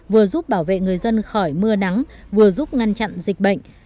vừa giúp bảo vệ người dân khỏi mưa nắng vừa giúp ngăn chặn dịch bệnh